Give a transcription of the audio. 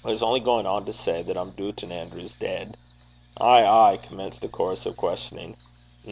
I was only gaun to say that I'm doobtin' Andrew's deid.' 'Ay! ay!' commenced a chorus of questioning.